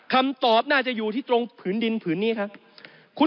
คำตอบน่าจะอยู่ที่ตรงผืนดินผืนนี้ครับ